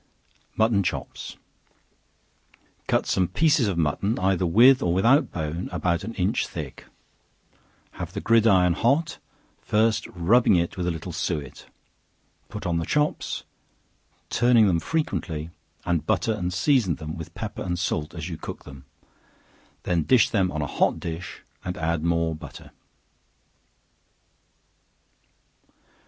Mutton Chops. Cut some pieces of mutton, either with or without bone, about an inch thick; have the gridiron hot, first rubbing it with a little suet; put on the chops, turning them frequently, and butter and season them with pepper and salt as you cook them; then dish them on a hot dish and add more butter.